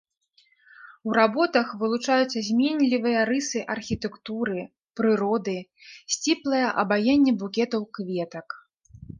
У работах вылучаюцца зменлівыя рысы архітэктуры, прыроды, сціплае абаянне букетаў кветак.